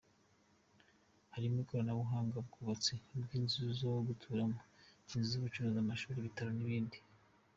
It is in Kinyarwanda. Harimo ikoranabuhanga, ubwubatsi bw’inzu zo guturamo, inzu z’ubucuruzi, amashuri, ibitaro n’ibindi.